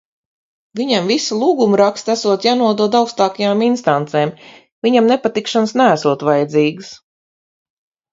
Viņam visi "lūgumraksti" esot jānodod augstākajām instancēm. Viņam nepatikšanas neesot vajadzīgas.